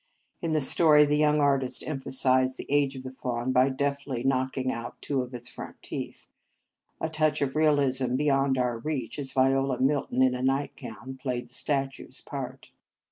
In the story, the young artist emphasized the age of the Faun by deftly knocking out two of its front teeth, a touch of realism beyond our range, as Viola Milton in a nightgown played the statue s part.